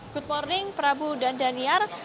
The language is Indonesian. good morning prabu dan daniar